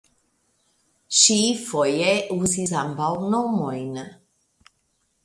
Ŝi foje uzis ambaŭ nomojn.